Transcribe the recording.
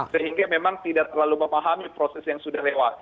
sehingga memang tidak terlalu memahami proses yang sudah lewat